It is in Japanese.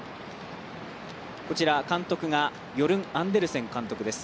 こちら監督がヨルン・アンデルセン監督です。